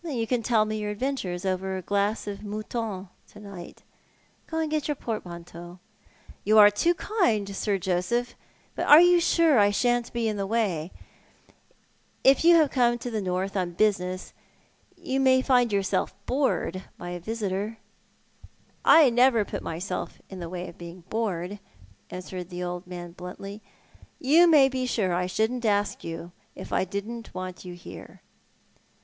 "You can tell mo your adventures over a glass of Mouton to night. Go and get your portmanteau." " You are too kind, Sir Joseph ; but are you sure I shan't be in the way ? If you have come to the north on business you may find yourself bored by a visitor." "I never put myself in the way of being bored," answered the old man, bluntly. " You may be sure I shouldn't ask you if I didn't want you here."